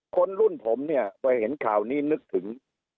คนรุ่นผมเนี่ยพอเห็นข่าวนี้นึกถึง